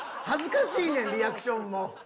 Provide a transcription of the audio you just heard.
恥ずかしいねんリアクションも。